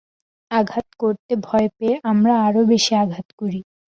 আঘাত করতে ভয় পেয়ে আমরা আরও বেশী আঘাত করি।